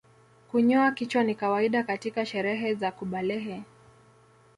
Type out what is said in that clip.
Kunyoa kichwa ni kawaida katika sherehe za kubalehe